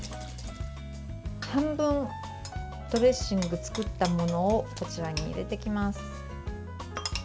半分、ドレッシング作ったものをこちらに入れていきます。